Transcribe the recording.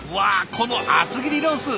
この厚切りロース。